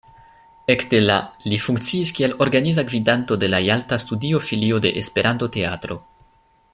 Ekde la li funkciis kiel organiza gvidanto de la jalta studio–filio de Esperanto-teatro.